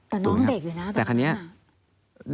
แต่น้องเด็กอยู่นะแบบนี้นะครับแต่ค่ะแต่ค่ะ